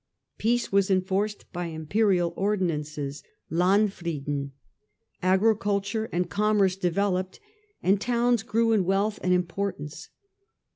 Peace was enforced by imperial ordinances (Landfrieden), agriculture and commerce developed, and towns grew in wealth and importance.